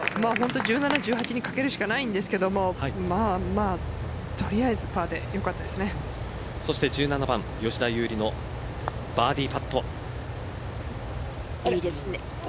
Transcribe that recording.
１７、１８にかけるしかないですけどそして１７番、吉田優利のバーディーパット。